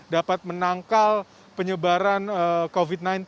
dapat menangkal penyebaran covid sembilan belas